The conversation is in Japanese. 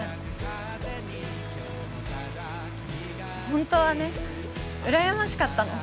ホントはねうらやましかったの。